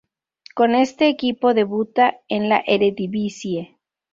Con este equipo debuta en la Eredivisie.